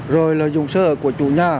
rồi lợi dụng sở hợp của chủ nhà